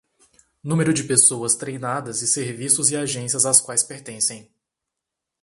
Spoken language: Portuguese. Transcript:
Número de pessoas treinadas e serviços e agências às quais pertencem.